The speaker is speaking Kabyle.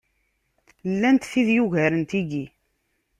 Llant tid yugaren tiggi.